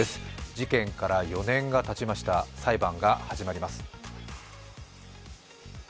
事件から４年がたちました裁判が始まります。